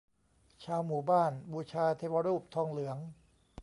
ชาวหมู่บ้านบูชาเทวรูปทองเหลือง